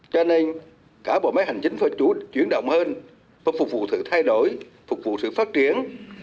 cho nên cả bộ máy hành chính phụ chủ chuyển động hơn và phục vụ sự thay đổi phục vụ sự phát triển